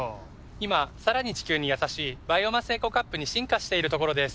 今さらに地球にやさしいバイオマスエコカップに進化しているところです。